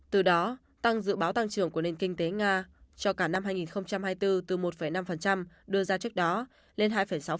từ đó tăng dự báo tăng trưởng của nền kinh tế nga cho cả năm hai nghìn hai mươi bốn từ một năm đưa ra trước đó lên hai sáu